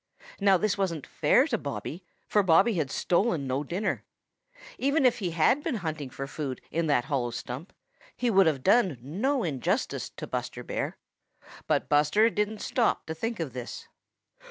Now this wasn't fair to Bobby, for Bobby had stolen no dinner. Even if he had been hunting for food in that hollow stump, he would have done no injustice to Buster Bear. But Buster didn't stop to think of this.